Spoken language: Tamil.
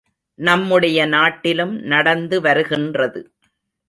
நம்முடைய நாட்டிலும் நடந்து வருகின்றது.